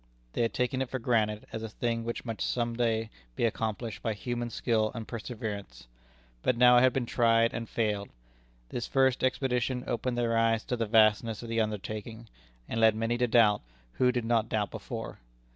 They had taken it for granted as a thing which must some day be accomplished by human skill and perseverance. But now it had been tried and failed. This first expedition opened their eyes to the vastness of the undertaking, and led many to doubt who did not doubt before.